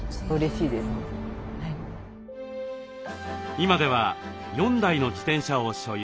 今では４台の自転車を所有。